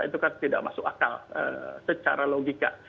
itu kan tidak masuk akal secara logika